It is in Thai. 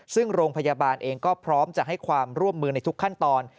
ซึ่งโรงพยาบาลเองก็พร้อมจะให้ความร่วมมือในทุกขั้นตอน